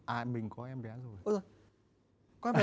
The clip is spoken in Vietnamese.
à mình có em bé rồi